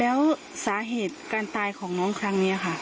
แล้วสาเหตุการตายของน้องครั้งนี้ค่ะ